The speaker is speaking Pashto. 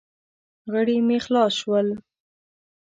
غړي مې خلاص شول.